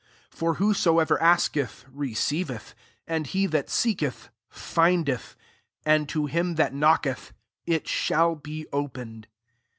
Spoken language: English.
10 For whosoever asketh, re ceiveth ; and he that seeketh, findeth ; and to him that knock etfa) it shall be op^ed.